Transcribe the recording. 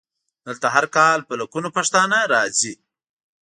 دلته هر کال په لکونو پښتانه راځي.